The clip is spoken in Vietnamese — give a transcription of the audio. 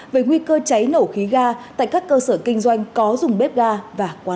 về nguy cơ cháy nổ khí ga tại các cơ sở kinh doanh có dùng bếp ga và quán